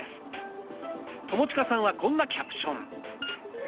友近さんはこんなキャプション。